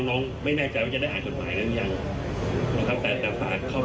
น้องเขายังเดินไปเดินมาวิ่งเล่นได้นะครับ